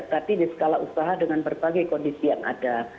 tapi di skala usaha dengan berbagai kondisi yang ada